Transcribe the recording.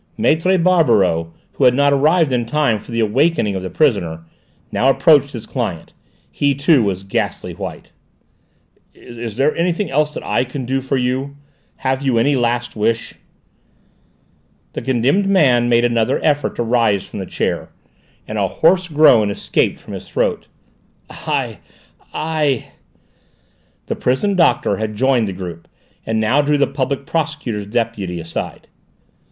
Maître Barberoux, who had not arrived in time for the awakening of the prisoner, now approached his client; he, too, was ghastly white. "Is there anything else that I can do for you? Have you any last wish?" The condemned man made another effort to rise from the chair, and a hoarse groan escaped from his throat. "I I " The prison doctor had joined the group, and now drew the Public Prosecutor's deputy aside.